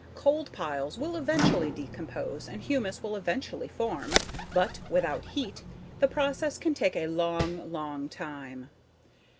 Cold piles will eventually decompose and humus will eventually form but, without heat, the process can take a long, long time.